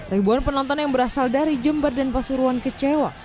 ribuan penonton yang berasal dari jember dan pasuruan kecewa